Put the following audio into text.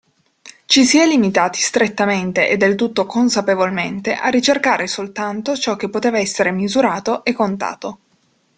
Ci si è limitati strettamente e del tutto consapevolmente a ricercare soltanto ciò che poteva essere misurato e contato.